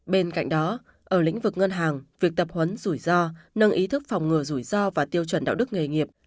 bên cạnh đó ở lĩnh vực ngân hàng việc tập huấn rủi ro nâng ý thức phòng ngừa rủi ro và tiêu chuẩn đạo đức nghề nghiệp